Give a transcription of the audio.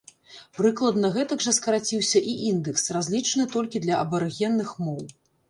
Прыкладна гэтак жа скараціўся і індэкс, разлічаны толькі для абарыгенных моў.